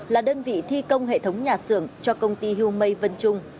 là đơn vị thi công hệ thống nhà xưởng cho công ty humei vân trung